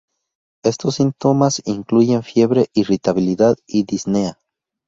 Estos síntomas incluyen fiebre, irritabilidad, y disnea.